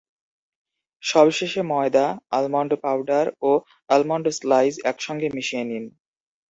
সবশেষে ময়দা, almond powder ও আলমন্ড স্লাইস একসঙ্গে মিশিয়ে নিন।